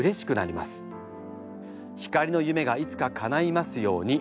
晃の夢がいつかかないますように。